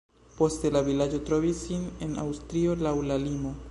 Poste la vilaĝo trovis sin en Aŭstrio, laŭ la limo.